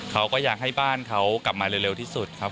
เขาก็อยากให้บ้านเขากลับมาเร็วที่สุดครับ